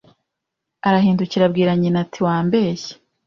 Arahindukira abwira nyina ati wambeshye